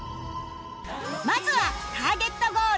まずはターゲットゴール